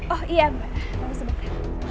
oh iya mbak bawa sebentar